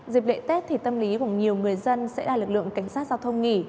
dịp lễ tết thì tâm lý của nhiều người dân sẽ là lực lượng cảnh sát giao thông nghỉ